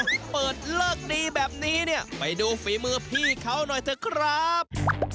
ถ้าเปิดเลิกดีแบบนี้เนี่ยไปดูฝีมือพี่เขาหน่อยเถอะครับ